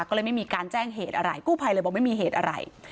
ก็เลยไม่มีการแจ้งเหตุอะไรกู้ภัยเลยบอกไม่มีเหตุอะไร